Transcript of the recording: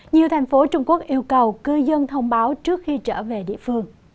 nhiều thành phố trung quốc yêu cầu cư dân thông báo trước khi trở về địa phương